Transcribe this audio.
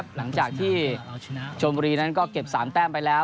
หลังจากที่ชมบุรีนั้นก็เก็บ๓แต้มไปแล้ว